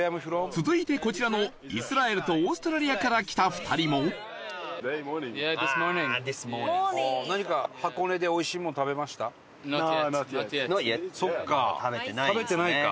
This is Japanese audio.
続いて、こちらのイスラエルとオーストラリアから来た２人も伊達：そっか、食べてないか。